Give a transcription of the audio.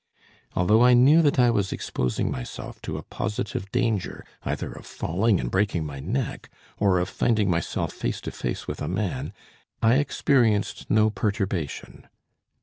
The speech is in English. Although I knew that I was exposing myself to a positive danger, either of falling and breaking my neck, or of finding myself face to face with a man, I experienced no perturbation.